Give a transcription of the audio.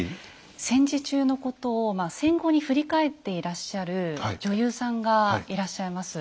戦時中のことを戦後に振り返っていらっしゃる女優さんがいらっしゃいます。